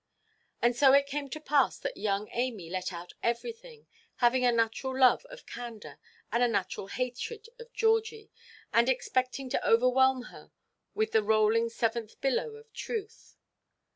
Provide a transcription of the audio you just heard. And so it came to pass that young Amy let out everything, having a natural love of candour and a natural hatred of Georgie, and expecting to overwhelm her with the rolling seventh billow of truth.